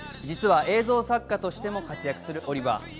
実は映像作家としても活躍するオリバー。